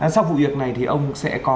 sau vụ việc này thì ông sẽ có